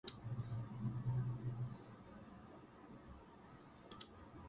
Before I went to that course, I did not enjoy learning English.